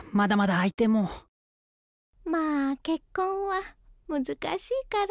まあ結婚は難しいから。